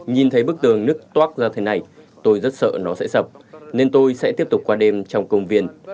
nhìn thấy bức tường nức toác ra thế này tôi rất sợ nó sẽ sập nên tôi sẽ tiếp tục qua đêm trong công viên